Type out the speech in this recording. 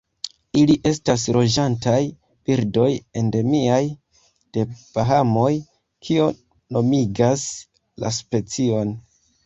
Ili estas loĝantaj birdoj endemiaj de Bahamoj, kio nomigas la specion.